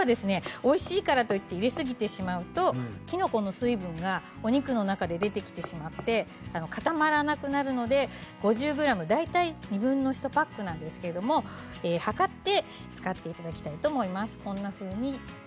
おいしいからといって入れすぎてしまうと、きのこの水分がお肉の中に出てきてしまって固まらなくなるので５０ｇ大体２分の１パックなんですけど量って使っていただきたいと思います。